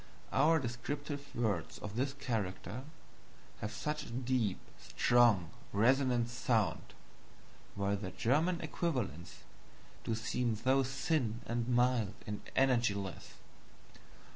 Our descriptive words of this character have such a deep, strong, resonant sound, while their German equivalents do seem so thin and mild and energyless.